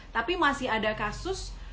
tapi masih ada kasus